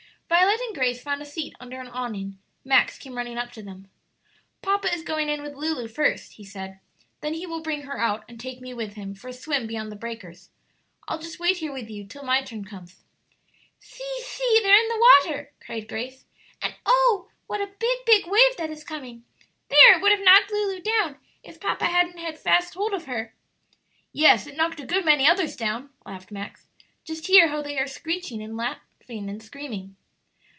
Violet and Grace found a seat under an awning. Max came running up to them. "Papa is going in with Lulu first," he said; "then he will bring her out and take me with him for a swim beyond the breakers. I'll just wait here with you till my turn comes." "See, see, they're in the water!" cried Grace; "and oh, what a big, big wave that is coming! There, it would have knocked Lulu down if papa hadn't had fast hold of her." "Yes; it knocked a good many others down," laughed Max; "just hear how they are screeching and screaming."